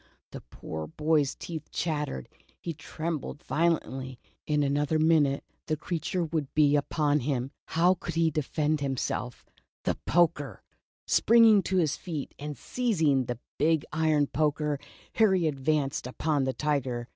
The poor boy's teeth chat tered, he trembled violently. In another minute 74 The Tiger on the Hudson. the creature would be upon him. How could he defend himself ? The poker ! Springing to his feet and seizing the big iron poker, Harry advanced upon the Tiger.